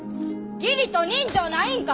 義理と人情ないんか！